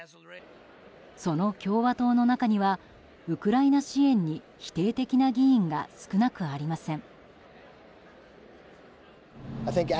その共和党の中にはウクライナ支援に否定的な議員が少なくありません。